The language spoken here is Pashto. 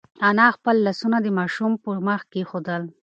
انا خپل لاسونه د ماشوم په مخ کېښودل.